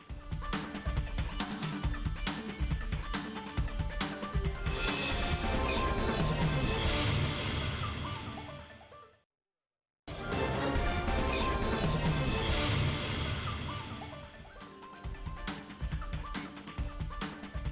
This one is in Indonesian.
di jalan jalan men